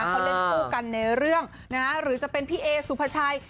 เขาเล่นคู่กันในเรื่องหรือจะเป็นพี่เอสุภาชัย